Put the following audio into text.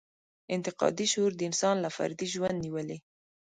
انتقادي شعور د انسان له فردي ژوند نېولې.